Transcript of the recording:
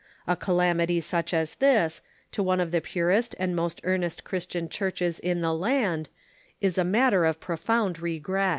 A calamity such as this, to one of the purest and most earnest Christian Churches in the land, is a matter of profound regret.